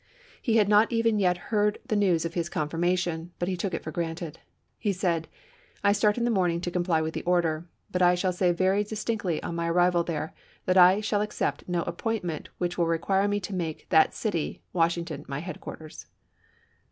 He had not even yet heard the news of his confirmation, but he took it for granted. He said :" I start in the morning to comply with the order, but I shall say very dis tinctly on my arrival there that I shall accept no appointment which will require me to make that city [Washington] my headquarters.